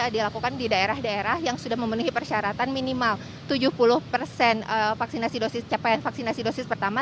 dilakukan di daerah daerah yang sudah memenuhi persyaratan minimal tujuh puluh persen capaian vaksinasi dosis pertama